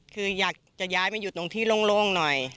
คืออยากจะย้ายมาอยู่ตรงที่โล่งหน่อย